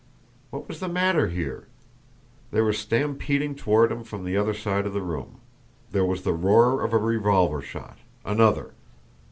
What was the matter here? They were stampeding toward him from the other side of the room. There was the roar of a revolver shot another.